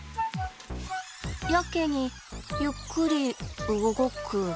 やけにゆっくり動く。